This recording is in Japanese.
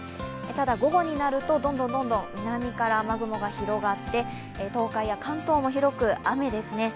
ただ、午後になるとどんどん南から雨雲が広がって、東海や関東も広く雨ですね。